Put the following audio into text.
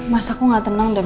masa aku gak tenang deh